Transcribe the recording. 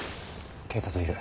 警察いる。